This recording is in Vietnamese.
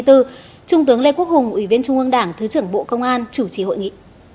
trung tướng lê quốc hùng ủy viên trung ương đảng thứ trưởng bộ công an chủ trì hội nghị